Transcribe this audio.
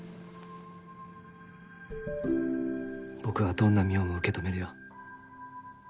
僕はどんな望緒も受け止めるよ。